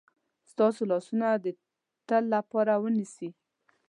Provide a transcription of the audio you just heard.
ستاسو لاسونه د تل لپاره ونیسي.